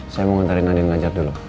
saya mau ntar reina dan ngajar dulu